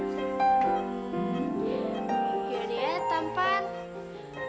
jadi ya dia yang tampan